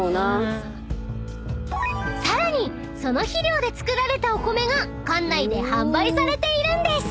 ［さらにその肥料で作られたお米が館内で販売されているんです］